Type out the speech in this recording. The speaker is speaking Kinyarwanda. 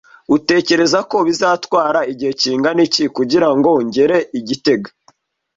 Utekereza ko bizantwara igihe kingana iki kugirango ngere i gitega?